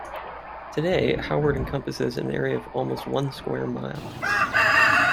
Today, Howard encompasses an area of almost one square mile.